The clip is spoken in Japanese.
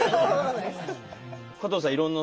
加藤さん